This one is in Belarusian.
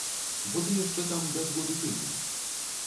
Бо ты яшчэ там без году тыдзень.